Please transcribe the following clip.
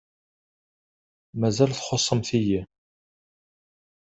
Mazal txuṣṣemt-iyi.